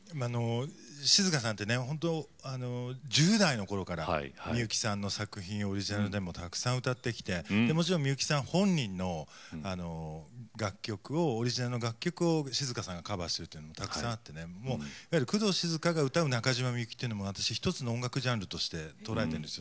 静香さんって本当に１０代のころからみゆきさんの作品のオリジナルでもたくさん歌ってきてみゆきさんご本人の楽曲をオリジナルの楽曲を静香さんがカバーするというのもたくさんあって工藤静香が歌う中島みゆきというのは１つの音楽ジャンルとして捉えているんです。